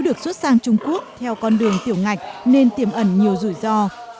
được xuất sang trung quốc theo con đường tiểu ngạch nên tiềm ẩn nhiều rủi ro